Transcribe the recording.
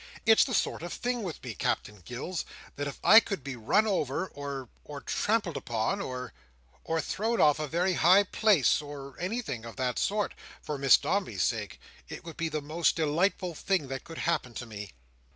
"It's the sort of thing with me, Captain Gills, that if I could be run over—or—or trampled upon—or—or thrown off a very high place or anything of that sort—for Miss Dombey's sake, it would be the most delightful thing that could happen to me."